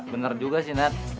bener juga sih nat